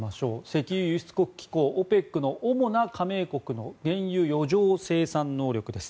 石油輸出国機構・ＯＰＥＣの主な加盟国の原油余剰生産能力。